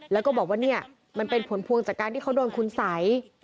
แล้วก็บอกว่าเนี่ยมันเป็นผลพวงจากการที่เขาโดนคุณสัย